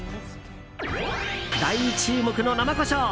大注目の生コショウ